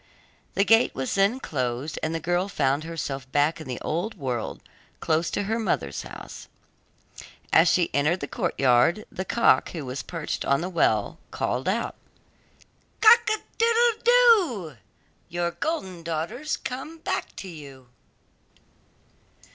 The gate was then closed, and the girl found herself back in the old world close to her mother's house. As she entered the courtyard, the cock who was perched on the well, called out: 'Cock a doodle doo! Your golden daughter's come back to you.